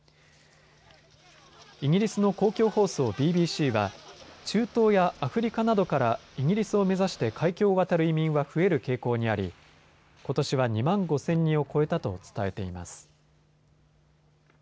イギリスの公共放送ＢＢＣは中東やアフリカなどからイギリスを目指して海峡を渡る移民は増える傾向にありことしは２万５０００人を超えたと伝えています。